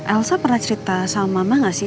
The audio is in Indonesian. elsa pernah cerita sama mama gak sih